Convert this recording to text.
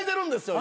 今。